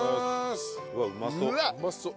うわっうまそう。